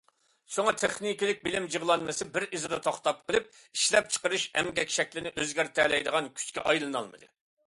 شۇڭا تېخنىكىلىق بىلىم جۇغلانمىسى بىر ئىزىدا توختاپ قىلىپ، ئىشلەپچىقىرىش ئەمگەك شەكلىنى ئۆزگەرتەلەيدىغان كۈچكە ئايلىنالمىدى.